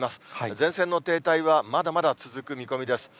前線の停滞はまだまだ続く見込みです。